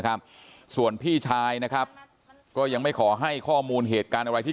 ครับส่วนพี่ชายนะครับก็ยังไม่ขอให้ข้อมูลเหตุการณ์อะไรที่